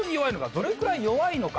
どれくらい弱いのか。